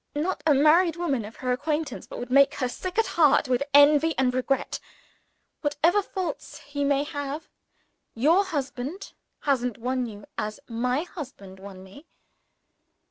Not a married woman of her acquaintance, but would make her sick at heart with envy and regret. 'Whatever faults he may have, your husband hasn't won you as my husband won me.'